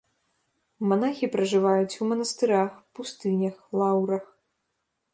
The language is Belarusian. Манахі пражываюць у манастырах, пустынях, лаўрах.